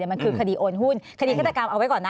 มันคือคดีโอนหุ้นคดีฆาตกรรมเอาไว้ก่อนนะ